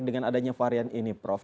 dengan adanya varian ini prof